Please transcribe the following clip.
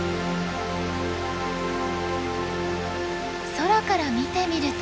空から見てみると。